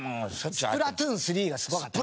『スプラトゥーン３』がすごかったね。